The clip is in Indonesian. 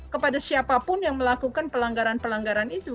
kepada siapapun yang melakukan pelanggaran pelanggaran itu